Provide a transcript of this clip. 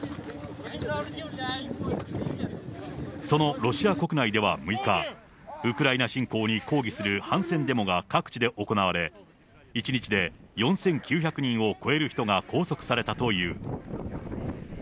そのロシア国内では６日、ウクライナ侵攻に抗議する反戦デモが各地で行われ、１日で４９００人を超える人が拘束されたという。